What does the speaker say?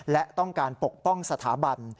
และต้องการปกป้องสถาบัน